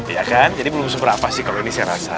iya kan jadi belum seberapa sih kalau ini saya rasa